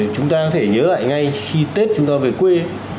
chúng ta có thể nhớ lại ngay khi tết chúng tôi về quê